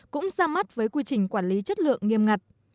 cũng ra mắt với quy trình quản lý chất lượng nghiêm ngặt